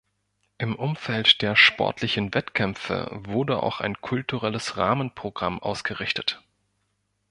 Im Umfeld der sportlichen Wettkämpfe wurde auch ein kulturelles Rahmenprogramm ausgerichtet.